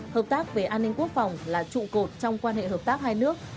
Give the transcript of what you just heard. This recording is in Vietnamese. hợp tác về an ninh quốc phòng là trụ cột trong quan hệ hợp tác hai nước